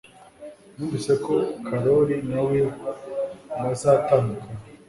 Numvise ko Carol na Will bazatandukana